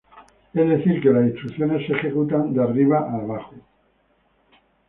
Es decir que las instrucciones se ejecutan de arriba hacia abajo.